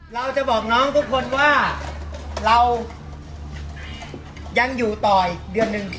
เราจะบอกน้องทุกคนว่าเรายังอยู่ต่ออีกเดือนหนึ่ง